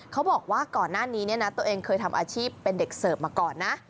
เขาบอกว่าก่อนหน้านี้เนี่ยนะตัวเองเคยทำอาชีพเป็นเด็กเสิร์ฟมาก่อนนะ